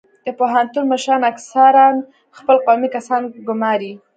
د پوهنتون مشران اکثرا خپل قومي کسان ګماري